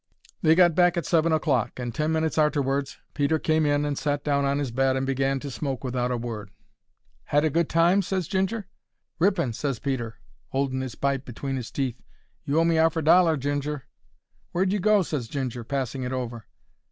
They got back at seven o'clock, and ten minutes arterwards Peter came in and sat down on his bed and began to smoke without a word. "Had a good time?" ses Ginger. "Rippin'," ses Peter, holding 'is pipe tight between 'is teeth. "You owe me 'arf a dollar, Ginger." "Where'd you go?" ses Ginger, passing it over.